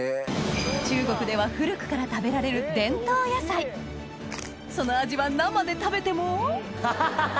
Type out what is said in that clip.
中国では古くから食べられる伝統野菜その味は生で食べてもハハハ！